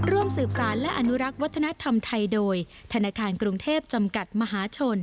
ร่วมสืบสารและอนุรักษ์วัฒนธรรมไทยโดยธนาคารกรุงเทพจำกัดมหาชน